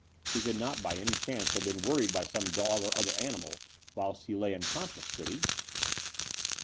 He could not by any chance have been worried by some dog or other animal, whilst he lay unconscious, could he?"